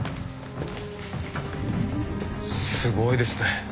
すごいですね。